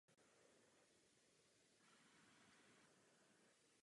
Další část obyvatelstva za prací dojíždí mimo mošav.